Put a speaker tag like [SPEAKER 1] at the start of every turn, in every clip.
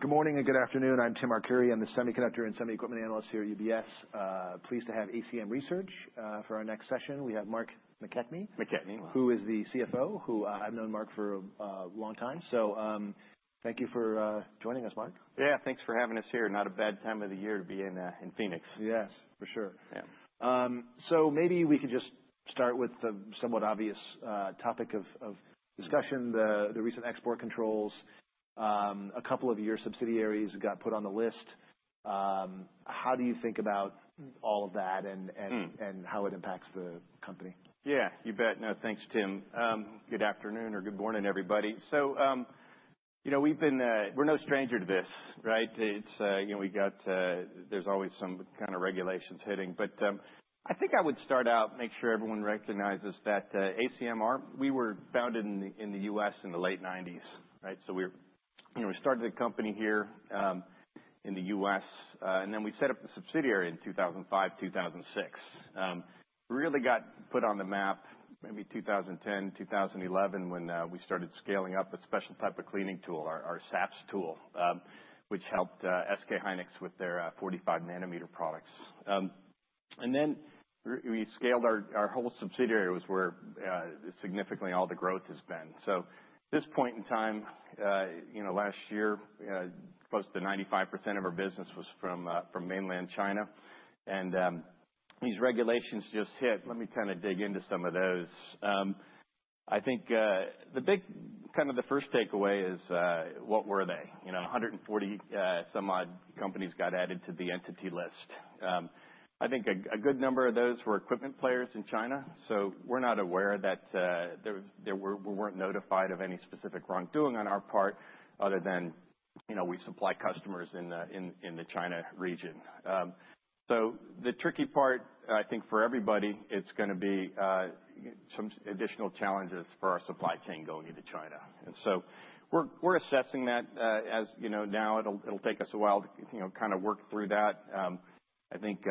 [SPEAKER 1] Good morning and good afternoon. I'm Tim Arcuri. I'm the semiconductor and semi-equipment analyst here at UBS. Pleased to have ACM Research for our next session. We have Mark McKechnie.
[SPEAKER 2] McKechnie, wow.
[SPEAKER 1] Who is the CFO who I've known, Mark, for a long time. So thank you for joining us, Mark.
[SPEAKER 2] Yeah, thanks for having us here. Not a bad time of the year to be in Phoenix.
[SPEAKER 1] Yes, for sure. So maybe we could just start with the somewhat obvious topic of discussion: the recent export controls. A couple of your subsidiaries got put on the list. How do you think about all of that and how it impacts the company?
[SPEAKER 2] Yeah, you bet. No, thanks, Tim. Good afternoon or good morning, everybody. So we've been—we're no stranger to this, right? We got—there's always some kind of regulations hitting. But I think I would start out, make sure everyone recognizes that ACM, we were founded in the U.S. in the late 1990s, right? So we started a company here in the U.S., and then we set up the subsidiary in 2005, 2006. We really got put on the map maybe 2010, 2011 when we started scaling up a special type of cleaning tool, our SAPS tool, which helped SK Hynix with their 45 nm products. And then we scaled our whole subsidiary, was where significantly all the growth has been. So at this point in time, last year, close to 95% of our business was from mainland China. And these regulations just hit—let me kind of dig into some of those. I think the big kind of the first takeaway is, what were they? 140-some-odd companies got added to the entity list. I think a good number of those were equipment players in China. So we're not aware that we weren't notified of any specific wrongdoing on our part other than we supply customers in the China region. So the tricky part, I think for everybody, it's going to be some additional challenges for our supply chain going into China. And so we're assessing that as now it'll take us a while to kind of work through that. I think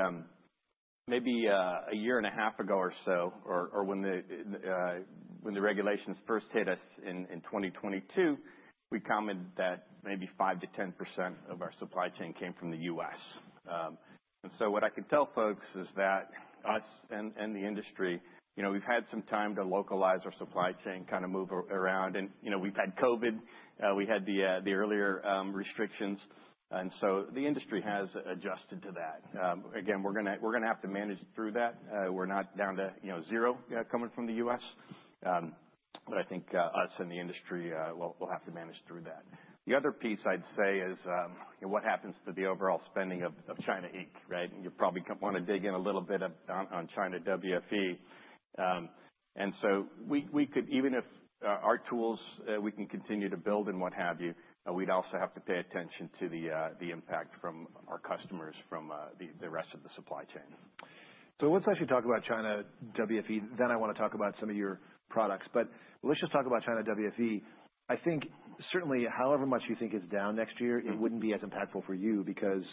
[SPEAKER 2] maybe a year and a half ago or so, or when the regulations first hit us in 2022, we commented that maybe 5%-10% of our supply chain came from the U.S. And so what I can tell folks is that us and the industry, we've had some time to localize our supply chain, kind of move around. And we've had COVID. We had the earlier restrictions. And so the industry has adjusted to that. Again, we're going to have to manage through that. We're not down to zero coming from the U.S. But I think us and the industry will have to manage through that. The other piece I'd say is what happens to the overall spending of China Inc., right? And you probably want to dig in a little bit on China WFE. And so we could, even if our tools we can continue to build and what have you, but we'd also have to pay attention to the impact from our customers from the rest of the supply chain.
[SPEAKER 1] So let's actually talk about China WFE. Then I want to talk about some of your products. But let's just talk about China WFE. I think certainly however much you think it's down next year, it wouldn't be as impactful for you because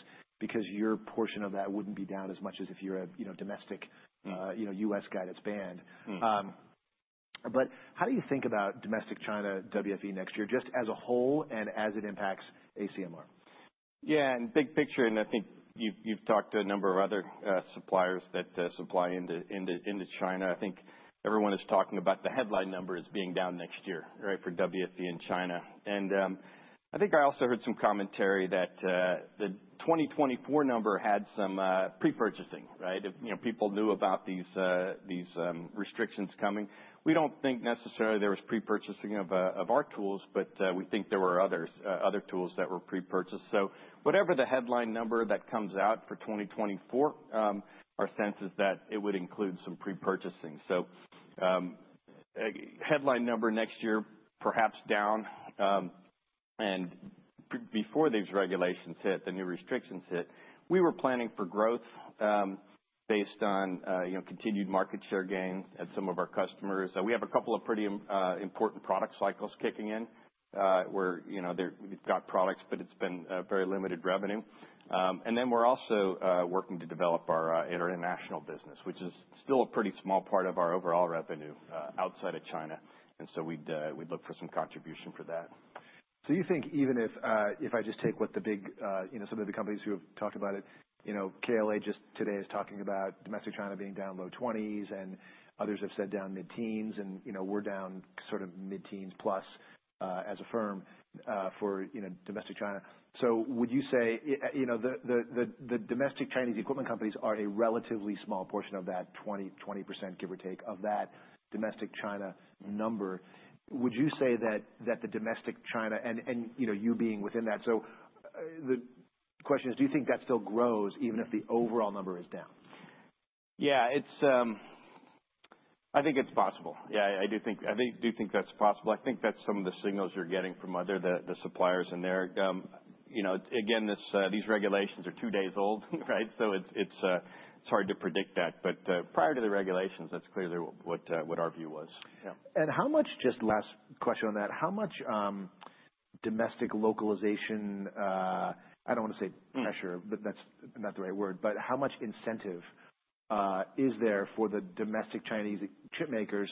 [SPEAKER 1] your portion of that wouldn't be down as much as if you're a domestic U.S. guy that's banned. But how do you think about domestic China WFE next year, just as a whole and as it impacts ACMR?
[SPEAKER 2] Yeah, and big picture. And I think you've talked to a number of other suppliers that supply into China. I think everyone is talking about the headline numbers being down next year, right, for WFE in China. And I think I also heard some commentary that the 2024 number had some pre-purchasing, right? People knew about these restrictions coming. We don't think necessarily there was pre-purchasing of our tools, but we think there were other tools that were pre-purchased. So whatever the headline number that comes out for 2024, our sense is that it would include some pre-purchasing. So headline number next year, perhaps down. And before these regulations hit, the new restrictions hit, we were planning for growth based on continued market share gains at some of our customers. We have a couple of pretty important product cycles kicking in where we've got products, but it's been very limited revenue, and then we're also working to develop our international business, which is still a pretty small part of our overall revenue outside of China, and so we'd look for some contribution for that.
[SPEAKER 1] So you think even if I just take what the big some of the companies who have talked about it, KLA just today is talking about domestic China being down low 20s%, and others have said down mid-teens%, and we're down sort of mid-teens% plus as a firm for domestic China. So would you say the domestic Chinese equipment companies are a relatively small portion of that 20%, give or take, of that domestic China number? Would you say that the domestic China and you being within that? So the question is, do you think that still grows even if the overall number is down?
[SPEAKER 2] Yeah, I think it's possible. Yeah, I do think that's possible. I think that's some of the signals you're getting from other suppliers in there. Again, these regulations are two days old, right? So it's hard to predict that. But prior to the regulations, that's clearly what our view was.
[SPEAKER 1] How much, just last question on that, how much domestic localization? I don't want to say pressure, but that's not the right word, but how much incentive is there for the domestic Chinese chipmakers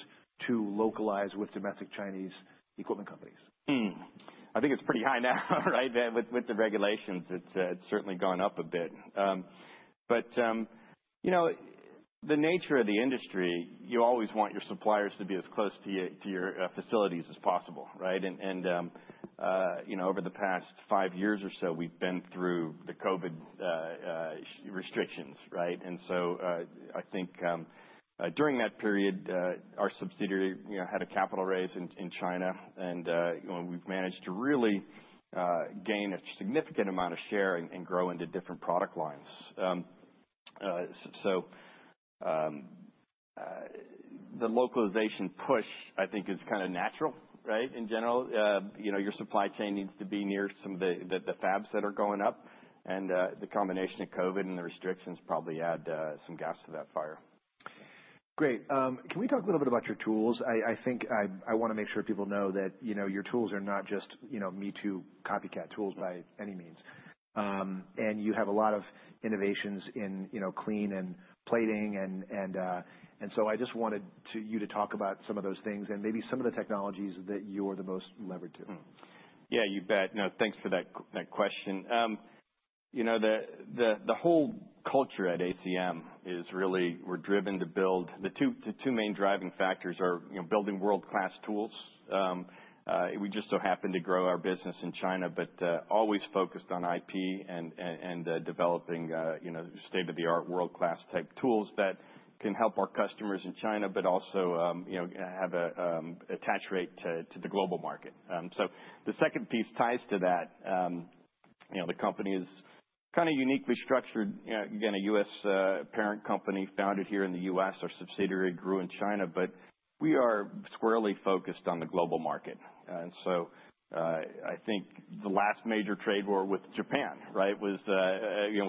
[SPEAKER 1] to localize with domestic Chinese equipment companies?
[SPEAKER 2] I think it's pretty high now, right? With the regulations, it's certainly gone up a bit. But the nature of the industry, you always want your suppliers to be as close to your facilities as possible, right? And over the past five years or so, we've been through the COVID restrictions, right? And so I think during that period, our subsidiary had a capital raise in China, and we've managed to really gain a significant amount of share and grow into different product lines. So the localization push, I think, is kind of natural, right, in general. Your supply chain needs to be near some of the fabs that are going up. And the combination of COVID and the restrictions probably add some gas to that fire.
[SPEAKER 1] Great. Can we talk a little bit about your tools? I think I want to make sure people know that your tools are not just me-too-copycat tools by any means. And you have a lot of innovations in clean and plating. And so I just wanted you to talk about some of those things and maybe some of the technologies that you're the most levered to.
[SPEAKER 2] Yeah, you bet. No, thanks for that question. The whole culture at ACM is really we're driven to build. The two main driving factors are building world-class tools. We just so happen to grow our business in China, but always focused on IP and developing state-of-the-art, world-class type tools that can help our customers in China, but also have an attach rate to the global market. So the second piece ties to that. The company is kind of uniquely structured. Again, a U.S. parent company founded here in the U.S. Our subsidiary grew in China, but we are squarely focused on the global market. And so I think the last major trade war with Japan, right, was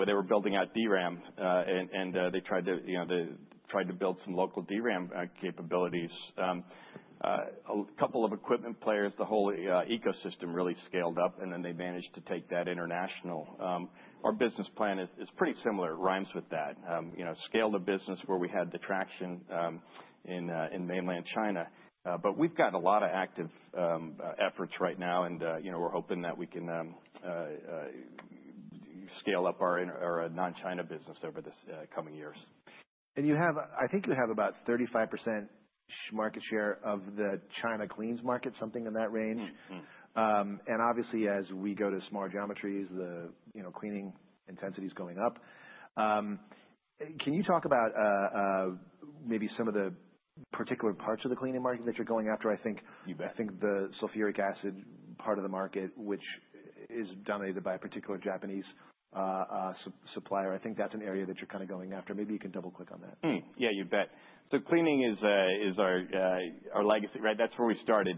[SPEAKER 2] they were building out DRAM, and they tried to build some local DRAM capabilities. A couple of equipment players, the whole ecosystem really scaled up, and then they managed to take that international. Our business plan is pretty similar, rhymes with that. Scale the business where we had the traction in mainland China. But we've got a lot of active efforts right now, and we're hoping that we can scale up our non-China business over the coming years.
[SPEAKER 1] I think you have about 35% market share of the China cleans market, something in that range. Obviously, as we go to smaller geometries, the cleaning intensity is going up. Can you talk about maybe some of the particular parts of the cleaning market that you're going after? I think the sulfuric acid part of the market, which is dominated by a particular Japanese supplier. I think that's an area that you're kind of going after. Maybe you can double-click on that.
[SPEAKER 2] Yeah, you bet. So cleaning is our legacy, right? That's where we started.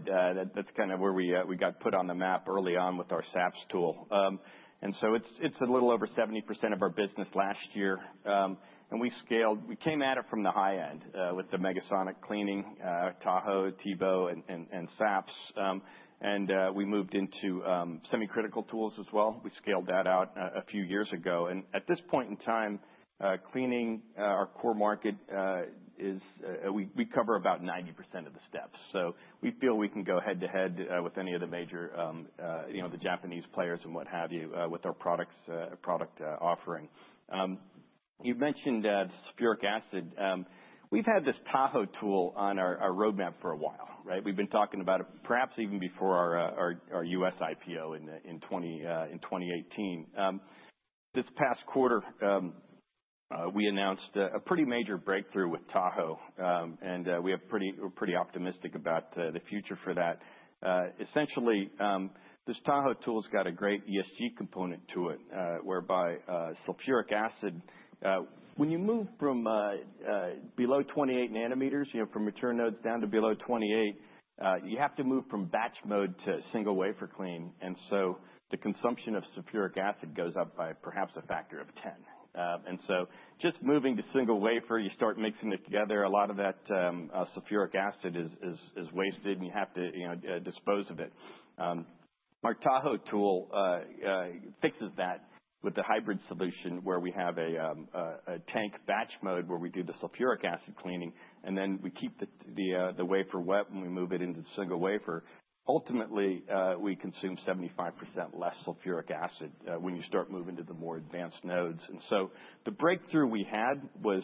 [SPEAKER 2] That's kind of where we got put on the map early on with our SAPS tool. And so it's a little over 70% of our business last year. And we came at it from the high end with the Megasonic cleaning, Tahoe, TEBO, and SAPS. And we moved into semi-critical tools as well. We scaled that out a few years ago. And at this point in time, cleaning, our core market, we cover about 90% of the steps. So we feel we can go head to head with any of the major Japanese players and what have you with our product offering. You mentioned sulfuric acid. We've had this Tahoe tool on our roadmap for a while, right? We've been talking about it perhaps even before our U.S. IPO in 2018. This past quarter, we announced a pretty major breakthrough with Tahoe, and we are pretty optimistic about the future for that. Essentially, this Tahoe tool has got a great ESG component to it, whereby sulfuric acid, when you move from below 28 nm from mature nodes down to below 28, you have to move from batch mode to single wafer clean, and so the consumption of sulfuric acid goes up by perhaps a factor of 10, and so just moving to single wafer, you start mixing it together. A lot of that sulfuric acid is wasted, and you have to dispose of it. Our Tahoe tool fixes that with the hybrid solution where we have a tank batch mode where we do the sulfuric acid cleaning, and then we keep the wafer wet when we move it into the single wafer. Ultimately, we consume 75% less sulfuric acid when you start moving to the more advanced nodes, and so the breakthrough we had was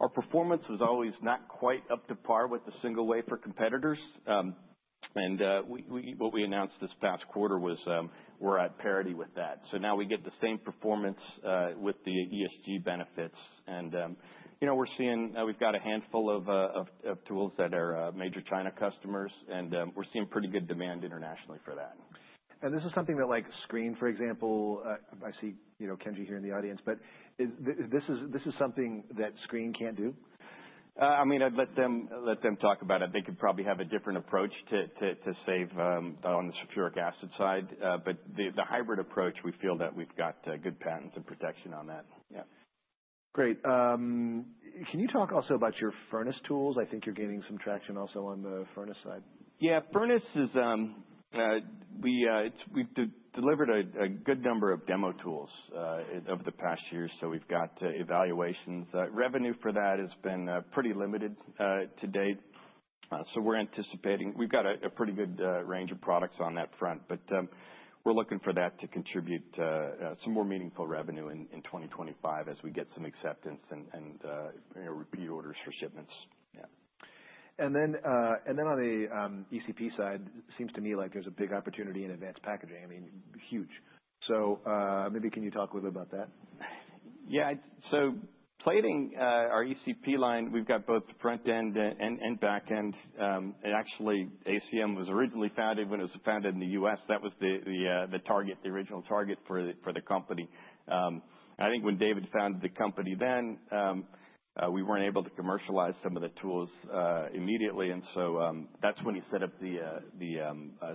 [SPEAKER 2] our performance was always not quite up to par with the single wafer competitors, and what we announced this past quarter was we're at parity with that, so now we get the same performance with the ESG benefits, and we're seeing we've got a handful of tools that are major China customers, and we're seeing pretty good demand internationally for that.
[SPEAKER 1] This is something that, like Screen, for example, I see Kenji here in the audience, but this is something that Screen can't do?
[SPEAKER 2] I mean, I'd let them talk about it. They could probably have a different approach to save on the sulfuric acid side. But the hybrid approach, we feel that we've got good patents and protection on that. Yeah.
[SPEAKER 1] Great. Can you talk also about your furnace tools? I think you're gaining some traction also on the furnace side.
[SPEAKER 2] Yeah, Furnace, we've delivered a good number of demo tools over the past year. So we've got evaluations. Revenue for that has been pretty limited to date. So we're anticipating we've got a pretty good range of products on that front, but we're looking for that to contribute some more meaningful revenue in 2025 as we get some acceptance and repeat orders for shipments. Yeah.
[SPEAKER 1] And then on the ECP side, it seems to me like there's a big opportunity in advanced packaging. I mean, huge. So maybe can you talk a little bit about that?
[SPEAKER 2] Yeah. So plating our ECP line, we've got both the front end and back end. Actually, ACM was originally founded when it was founded in the U.S. That was the target, the original target for the company. I think when David founded the company then, we weren't able to commercialize some of the tools immediately. That's when he set up the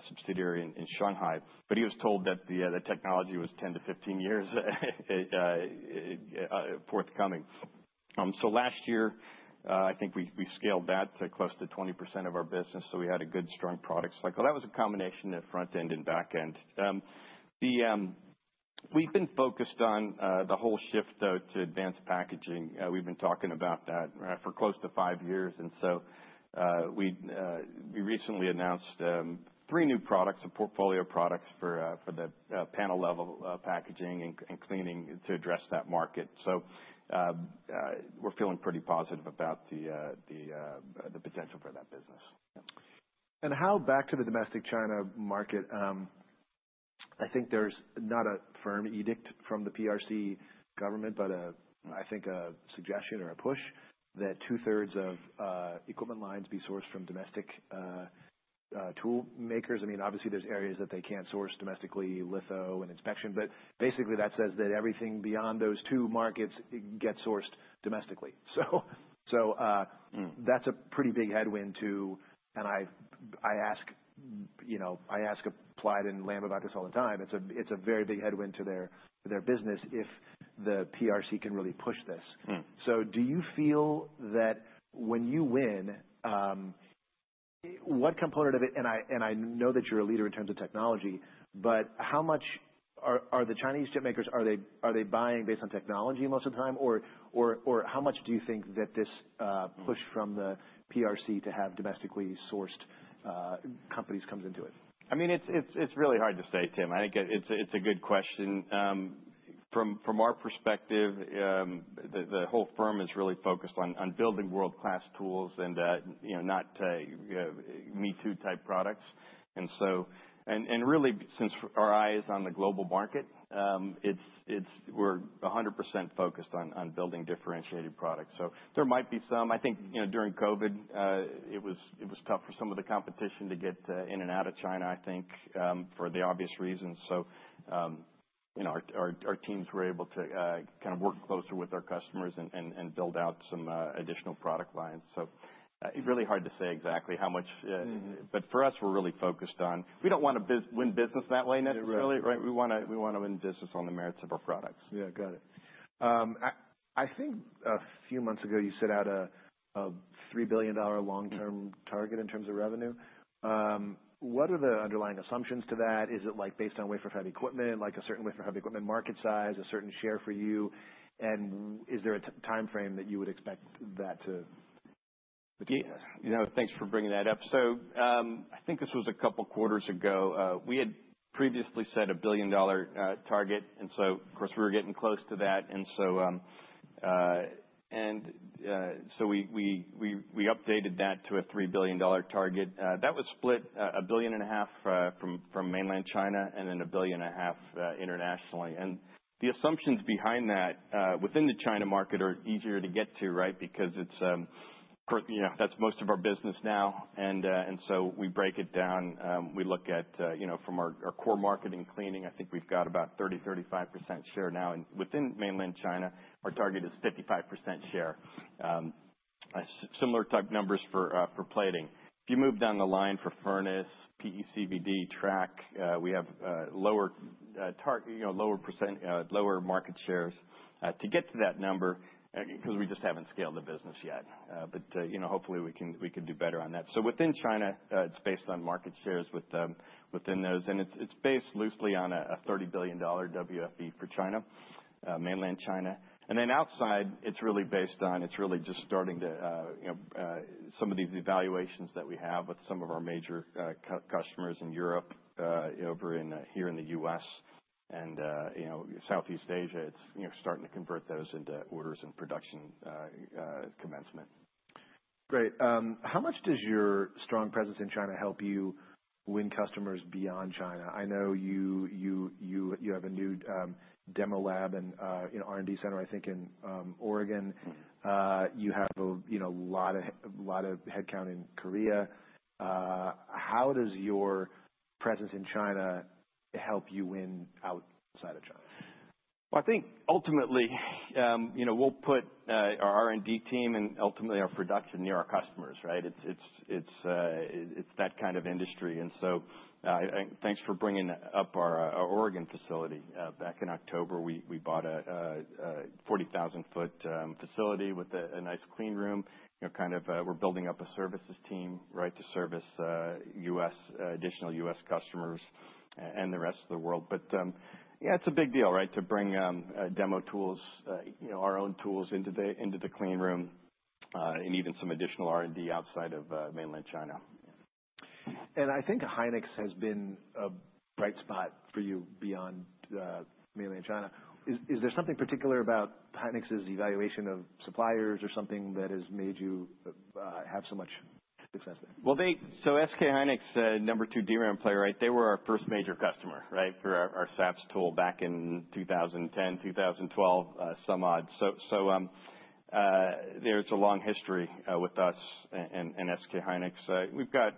[SPEAKER 2] subsidiary in Shanghai. But he was told that the technology was 10-15 years forthcoming. Last year, I think we scaled that to close to 20% of our business. We had a good strong product cycle. That was a combination of front end and back end. We've been focused on the whole shift to advanced packaging. We've been talking about that for close to five years. And so we recently announced three new products, a portfolio of products for the panel-level packaging and cleaning to address that market. So we're feeling pretty positive about the potential for that business.
[SPEAKER 1] And now back to the domestic China market. I think there's not a firm edict from the PRC government, but I think a suggestion or a push that two-thirds of equipment lines be sourced from domestic tool makers. I mean, obviously, there's areas that they can't source domestically, litho, and inspection. But basically, that says that everything beyond those two markets gets sourced domestically. So that's a pretty big headwind to, and I ask Applied and Lam about this all the time. It's a very big headwind to their business if the PRC can really push this. So do you feel that when you win, what component of it? And I know that you're a leader in terms of technology, but how much are the Chinese chipmakers, are they buying based on technology most of the time? Or how much do you think that this push from the PRC to have domestically sourced companies comes into it?
[SPEAKER 2] I mean, it's really hard to say, Tim. I think it's a good question. From our perspective, the whole firm is really focused on building world-class tools and not me-too-type products. And really, since our eye is on the global market, we're 100% focused on building differentiated products. So there might be some. I think during COVID, it was tough for some of the competition to get in and out of China, I think, for the obvious reasons. So our teams were able to kind of work closer with our customers and build out some additional product lines. So really hard to say exactly how much. But for us, we're really focused on we don't want to win business that way, necessarily, right? We want to win business on the merits of our products.
[SPEAKER 1] Yeah, got it. I think a few months ago, you set out a $3 billion long-term target in terms of revenue. What are the underlying assumptions to that? Is it based on wafer fab equipment, like a certain wafer fab equipment market size, a certain share for you? And is there a timeframe that you would expect that to?
[SPEAKER 2] Thanks for bringing that up. So I think this was a couple of quarters ago. We had previously set a $1 billion target. And so, of course, we were getting close to that. And so we updated that to a $3 billion target. That was split $1.5 billion from mainland China and then $1.5 billion internationally. And the assumptions behind that within the China market are easier to get to, right? Because that's most of our business now. And so we break it down. We look at from our core market and cleaning, I think we've got about 30-35% share now. And within mainland China, our target is 55% share. Similar type numbers for plating. If you move down the line for Furnace, PECVD, Track, we have lower market shares. To get to that number, because we just haven't scaled the business yet. But hopefully, we can do better on that. So within China, it's based on market shares within those. And it's based loosely on a $30 billion WFE for China, mainland China. And then outside, it's really based on. It's really just starting to some of these evaluations that we have with some of our major customers in Europe over here in the U.S. and Southeast Asia. It's starting to convert those into orders and production commencement.
[SPEAKER 1] Great. How much does your strong presence in China help you win customers beyond China? I know you have a new demo lab and R&D center, I think, in Oregon. You have a lot of headcount in Korea. How does your presence in China help you win outside of China?
[SPEAKER 2] I think ultimately, we'll put our R&D team and ultimately our production near our customers, right? It's that kind of industry. And so thanks for bringing up our Oregon facility. Back in October, we bought a 40,000 sq ft facility with a nice clean room. Kind of we're building up a services team, right, to service additional U.S. customers and the rest of the world. But yeah, it's a big deal, right, to bring demo tools, our own tools into the clean room and even some additional R&D outside of mainland China.
[SPEAKER 1] I think Hynix has been a bright spot for you beyond mainland China. Is there something particular about Hynix's evaluation of suppliers or something that has made you have so much success there?
[SPEAKER 2] Well, so SK hynix, number two DRAM player, right? They were our first major customer, right, for our SAPS tool back in 2010, 2012, some odd. So there's a long history with us and SK hynix. We've got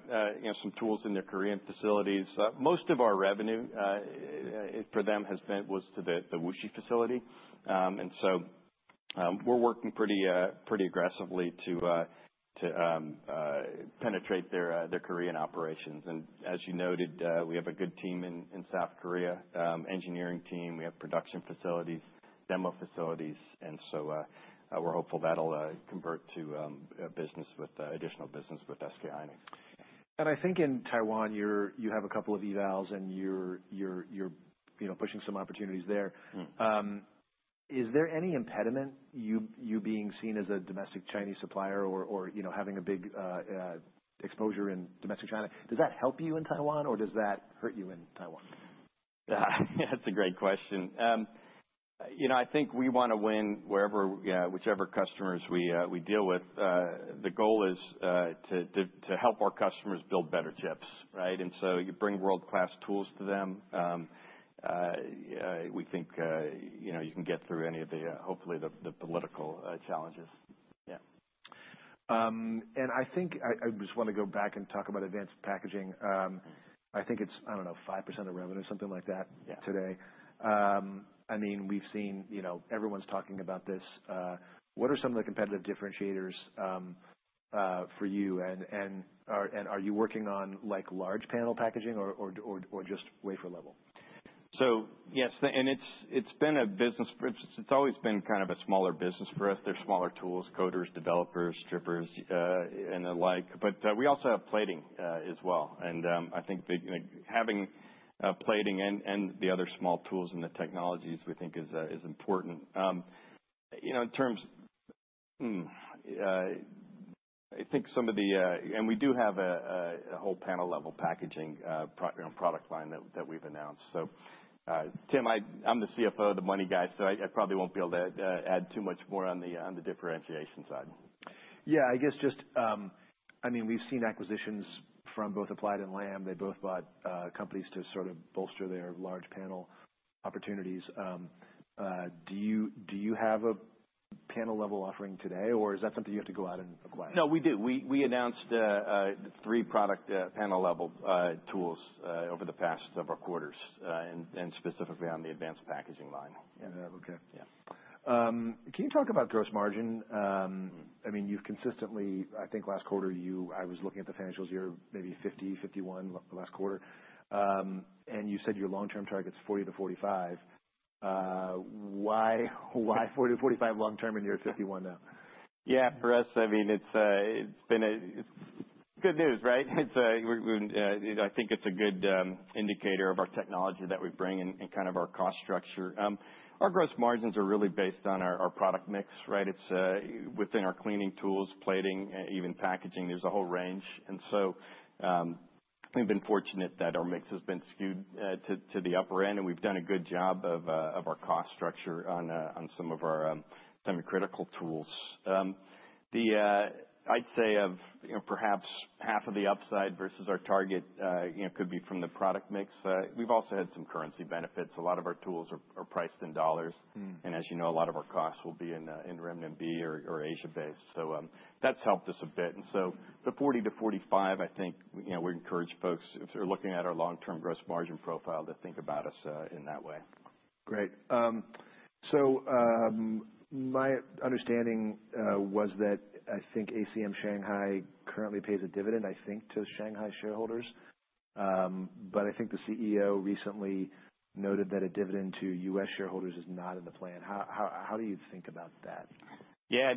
[SPEAKER 2] some tools in their Korean facilities. Most of our revenue for them was to the Wuxi facility. And so we're working pretty aggressively to penetrate their Korean operations. And as you noted, we have a good team in South Korea, engineering team. We have production facilities, demo facilities. And so we're hopeful that'll convert to additional business with SK hynix.
[SPEAKER 1] I think in Taiwan, you have a couple of evals and you're pushing some opportunities there. Is there any impediment, you being seen as a domestic Chinese supplier or having a big exposure in domestic China? Does that help you in Taiwan or does that hurt you in Taiwan?
[SPEAKER 2] That's a great question. I think we want to win whichever customers we deal with. The goal is to help our customers build better chips, right? And so you bring world-class tools to them. We think you can get through any of the, hopefully, the political challenges. Yeah.
[SPEAKER 1] I think I just want to go back and talk about advanced packaging. I think it's, I don't know, 5% of revenue, something like that today. I mean, we've seen everyone's talking about this. What are some of the competitive differentiators for you? Are you working on large panel packaging or just wafer level?
[SPEAKER 2] Yes. It's been a business for us. It's always been kind of a smaller business for us. There's smaller tools, coaters, developers, strippers, and the like. But we also have plating as well. I think having plating and the other small tools and the technologies, we think, is important. In terms of, I think, some of the, and we do have a whole panel-level packaging product line that we've announced. Tim, I'm the CFO, the money guy. I probably won't be able to add too much more on the differentiation side.
[SPEAKER 1] Yeah. I guess just, I mean, we've seen acquisitions from both Applied and Lam. They both bought companies to sort of bolster their large panel opportunities. Do you have a panel level offering today, or is that something you have to go out and acquire?
[SPEAKER 2] No, we do. We announced three product panel level tools over the past several quarters, and specifically on the advanced packaging line.
[SPEAKER 1] Okay. Can you talk about gross margin? I mean, you've consistently, I think last quarter, I was looking at the financials, you're maybe 50%, 51% last quarter. And you said your long-term target's 40%-45%. Why 40%-45% long-term and you're at 51% now?
[SPEAKER 2] Yeah. For us, I mean, it's been good news, right? I think it's a good indicator of our technology that we bring and kind of our cost structure. Our gross margins are really based on our product mix, right? It's within our cleaning tools, plating, even packaging. There's a whole range. And so we've been fortunate that our mix has been skewed to the upper end, and we've done a good job of our cost structure on some of our semi-critical tools. I'd say perhaps half of the upside versus our target could be from the product mix. We've also had some currency benefits. A lot of our tools are priced in dollars. And as you know, a lot of our costs will be in renminbi or Asia-based. So that's helped us a bit. And so the 40-45, I think we encourage folks, if they're looking at our long-term gross margin profile, to think about us in that way.
[SPEAKER 1] Great. So my understanding was that I think ACM Shanghai currently pays a dividend, I think, to Shanghai shareholders. But I think the CEO recently noted that a dividend to U.S. shareholders is not in the plan. How do you think about that?
[SPEAKER 2] Yeah.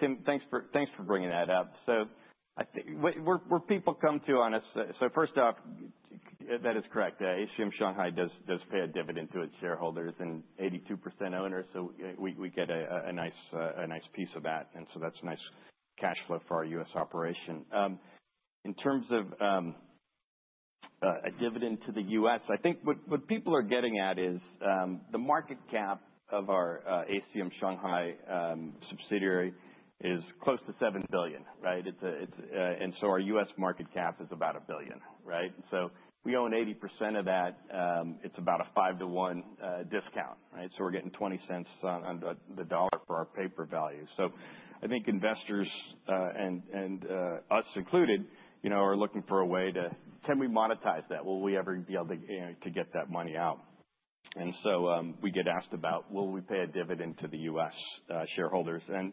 [SPEAKER 2] Tim, thanks for bringing that up. So, where people come to us, so first off, that is correct. ACM Shanghai does pay a dividend to its shareholders and 82% owners. So we get a nice piece of that. And so that's a nice cash flow for our US operation. In terms of a dividend to the U.S., I think what people are getting at is the market cap of our ACM Shanghai subsidiary is close to $7 billion, right? And so our U.S. market cap is about $1 billion, right? So we own 80% of that. It's about a 5 to 1 discount, right? So we're getting 20 cents on the dollar for our paper value. So I think investors and us included are looking for a way to, can we monetize that? Will we ever be able to get that money out? And so we get asked about, will we pay a dividend to the U.S. shareholders? And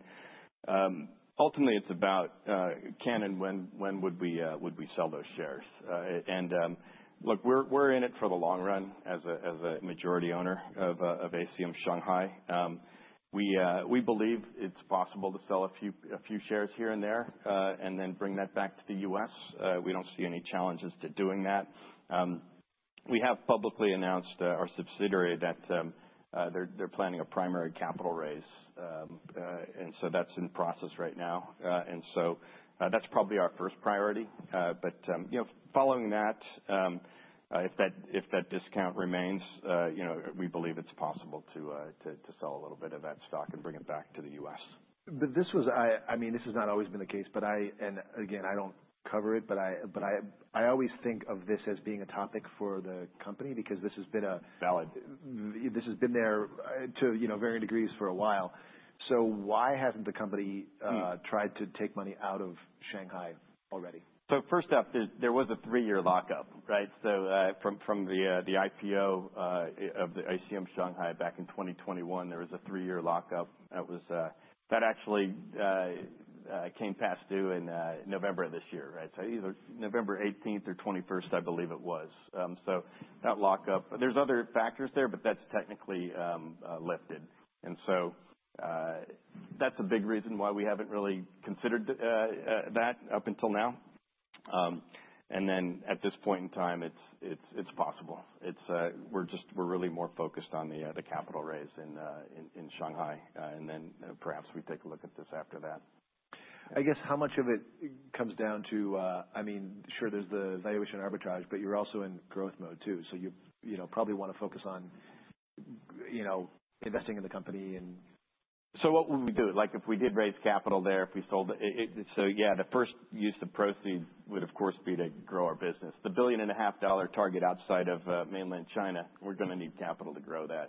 [SPEAKER 2] ultimately, it's about can and when would we sell those shares. And look, we're in it for the long run as a majority owner of ACM Shanghai. We believe it's possible to sell a few shares here and there and then bring that back to the U.S. We don't see any challenges to doing that. We have publicly announced our subsidiary that they're planning a primary capital raise. And so that's in process right now. And so that's probably our first priority. But following that, if that discount remains, we believe it's possible to sell a little bit of that stock and bring it back to the U.S.
[SPEAKER 1] But this was. I mean, this has not always been the case, but I, and again, I don't cover it, but I always think of this as being a topic for the company because this has been a.
[SPEAKER 2] Valid.
[SPEAKER 1] This has been there to varying degrees for a while. So why hasn't the company tried to take money out of Shanghai already?
[SPEAKER 2] So first off, there was a three-year lockup, right? So from the IPO of the ACM Shanghai back in 2021, there was a three-year lockup. That actually came past due in November of this year, right? So that lockup, there's other factors there, but that's technically lifted. And so that's a big reason why we haven't really considered that up until now. And then at this point in time, it's possible. We're really more focused on the capital raise in Shanghai. And then perhaps we take a look at this after that.
[SPEAKER 1] I guess how much of it comes down to, I mean, sure, there's the valuation arbitrage, but you're also in growth mode too. So you probably want to focus on investing in the company and.
[SPEAKER 2] What would we do? If we did raise capital there, if we sold, so yeah, the first use of proceeds would, of course, be to grow our business. The $1.5 billion target outside of mainland China, we're going to need capital to grow that.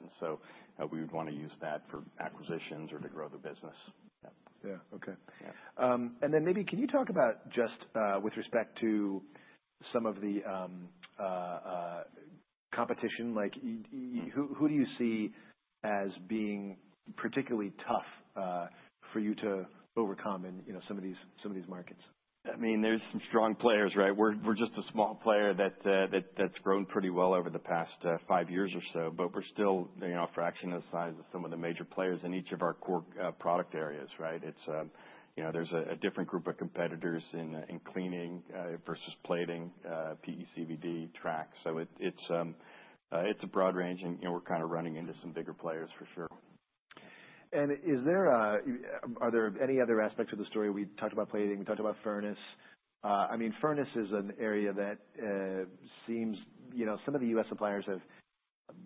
[SPEAKER 2] We would want to use that for acquisitions or to grow the business.
[SPEAKER 1] Yeah. Okay. And then maybe can you talk about just with respect to some of the competition? Who do you see as being particularly tough for you to overcome in some of these markets?
[SPEAKER 2] I mean, there's some strong players, right? We're just a small player that's grown pretty well over the past five years or so, but we're still a fraction of the size of some of the major players in each of our core product areas, right? There's a different group of competitors in cleaning versus plating, PECVD, track. So it's a broad range, and we're kind of running into some bigger players for sure.
[SPEAKER 1] And are there any other aspects of the story? We talked about plating. We talked about furnace. I mean, furnace is an area that seems some of the U.S. suppliers have.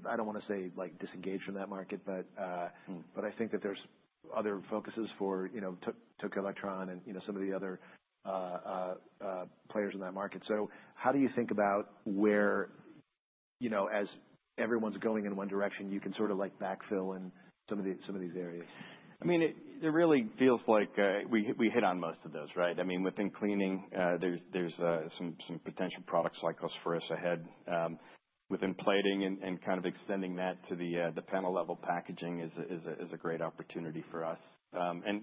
[SPEAKER 1] I don't want to say disengaged from that market, but I think that there's other focuses for TOC Electron and some of the other players in that market. So how do you think about where, as everyone's going in one direction, you can sort of backfill in some of these areas?
[SPEAKER 2] I mean, it really feels like we hit on most of those, right? I mean, within cleaning, there's some potential products like those for us ahead. Within plating and kind of extending that to the panel level packaging is a great opportunity for us. And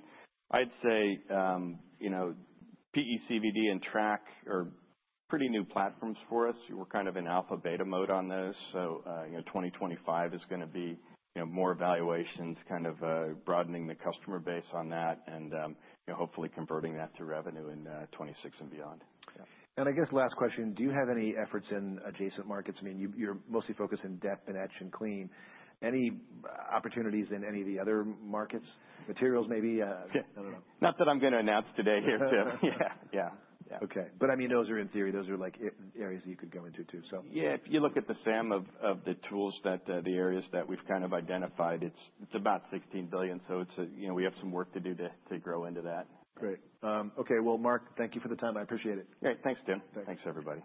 [SPEAKER 2] I'd say PECVD and track are pretty new platforms for us. We're kind of in alpha beta mode on those. So 2025 is going to be more evaluations, kind of broadening the customer base on that, and hopefully converting that to revenue in 2026 and beyond.
[SPEAKER 1] I guess last question, do you have any efforts in adjacent markets? I mean, you're mostly focused in deposition and etch and clean. Any opportunities in any of the other markets? Materials maybe? I don't know.
[SPEAKER 2] Not that I'm going to announce today here, Tim. Yeah. Yeah.
[SPEAKER 1] Okay. But I mean, those are in theory, those are areas that you could go into too, so.
[SPEAKER 2] Yeah. If you look at the SAM of the tools, the areas that we've kind of identified, it's about $16 billion. So we have some work to do to grow into that.
[SPEAKER 1] Great. Okay. Well, Mark, thank you for the time. I appreciate it.
[SPEAKER 2] Great. Thanks, Tim. Thanks, everybody.